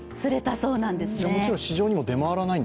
そうです